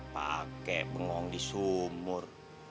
pake pengong di sumur